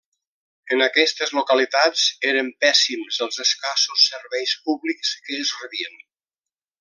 En aquestes localitats eren pèssims els escassos serveis públics que es rebien.